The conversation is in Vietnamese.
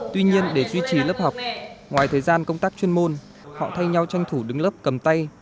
tuy nhiên để duy trì lớp học ngoài thời gian công tác chuyên môn họ thay nhau tranh thủ đứng lớp cầm tay